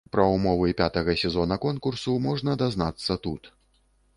Пра ўмовы пятага сезона конкурсу можна дазнацца тут.